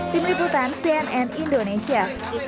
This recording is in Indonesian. tim liputan cnn indonesia